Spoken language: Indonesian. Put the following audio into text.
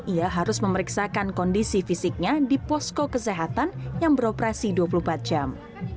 ia harus memeriksakan kondisi fisiknya di posko kesehatan yang beroperasi dua puluh empat jam